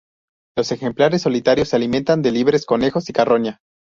Los ejemplares solitarios se alimentan de liebres, conejos y carroña.